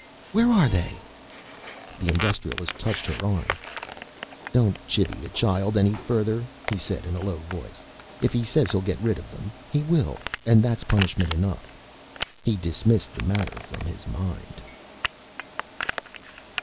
"Where are they?" The Industrialist touched her arm. "Don't chivvy the child any further," he said, in a low voice. "If he says he'll get rid of them, he will, and that's punishment enough." He dismissed the matter from his mind.